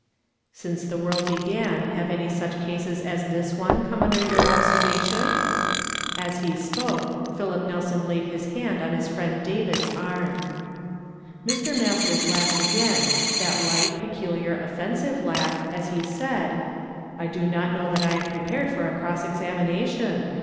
" Since the world began have many such cases as this one come under your observation?" As he spoke, Philip Nelson laid his hand on his friend David's arm. Mr. Mastere laughed again, that light, peculiar, offensive Liugh, as he said, " I do not know that '4 TO YESTERDAY FRAMED IN TO DAV. I am prepared for a cross examination.